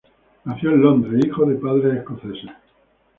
Nació en Londres, hijo de padres escoceses.